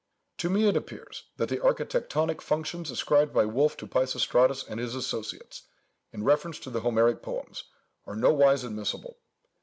"To me it appears, that the architectonic functions ascribed by Wolf to Peisistratus and his associates, in reference to the Homeric poems, are nowise admissible.